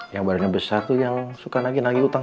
yang badannya besar tuh yang suka nagi nagi utang